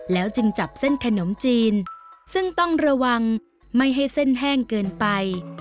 แล้วจึงจับเส้นขนมจีนซึ่งต้องระวังไม่ให้เส้นแห้งเกินไป